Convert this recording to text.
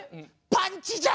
「パンチじゃ！」。